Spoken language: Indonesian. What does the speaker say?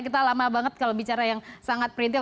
kita lama banget kalau bicara yang sangat printil